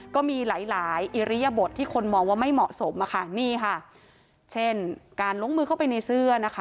ก็มีหลายหลายอิริยบทที่คนมองว่าไม่เหมาะสมอะค่ะนี่ค่ะเช่นการลงมือเข้าไปในเสื้อนะคะ